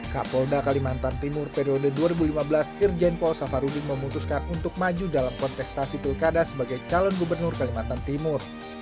kapolda kalimantan timur periode dua ribu lima belas irjen paul safarudin memutuskan untuk maju dalam kontestasi pilkada sebagai calon gubernur kalimantan timur